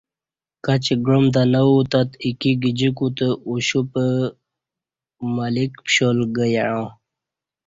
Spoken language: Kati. کچی گعام تہ نہ اُتت اِکی گجیکو تہ اُشوپہ ملک پشال گہ یݩع